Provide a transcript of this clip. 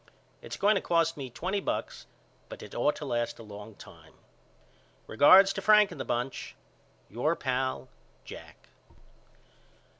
It's going to cost me twenty bucks but it ought to last a long time. Regards to Frank and the bunch. Your Pal, JACK.